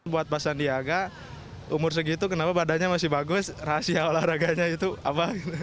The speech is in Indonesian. buat pak sandiaga umur segitu kenapa badannya masih bagus rahasia olahraganya itu apa